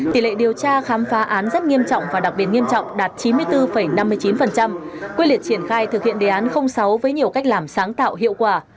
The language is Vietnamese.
tỷ lệ điều tra khám phá án rất nghiêm trọng và đặc biệt nghiêm trọng đạt chín mươi bốn năm mươi chín quyết liệt triển khai thực hiện đề án sáu với nhiều cách làm sáng tạo hiệu quả